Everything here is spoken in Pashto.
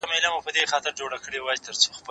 هغه څوک چي سیر کوي روغ وي